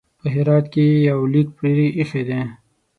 په هرات کې یو لیک پرې ایښی دی.